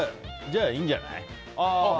じゃあいいんじゃない。